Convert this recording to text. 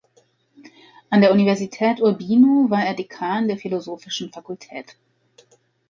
An der Universität Urbino war er Dekan der Philosophischen Fakultät.